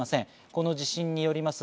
この地震によります